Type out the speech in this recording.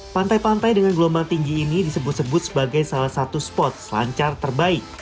pantai pantai dengan gelombang tinggi ini disebut sebut sebagai salah satu spot selancar terbaik